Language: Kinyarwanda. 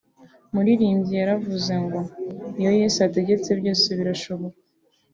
umuririmbyi yaravuze ngo iyo Yesu ategetse byose birashoboka